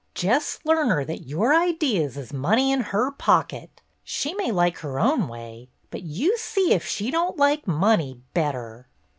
Jes' learn her that your idees is money in her pocket. She may like her own way, but you see if she don't like money better."